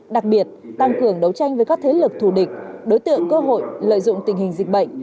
đặc biệt tăng cường đấu tranh với các thế lực thù địch đối tượng cơ hội lợi dụng tình hình dịch bệnh